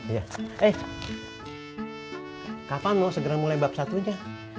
iya eh kapan mau segera mulai bab satunya